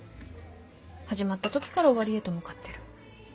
始まった時から終わりへと向かってる。